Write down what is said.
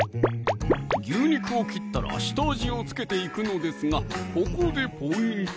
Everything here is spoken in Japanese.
牛肉を切ったら下味を付けていくのですがここでポイント！